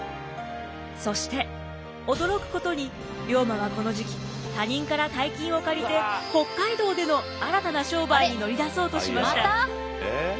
そして驚くことに龍馬はこの時期他人から大金を借りて北海道での新たな商売に乗り出そうとしました。